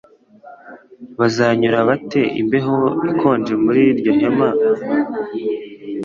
Bazanyura bate imbeho ikonje muri iryo hema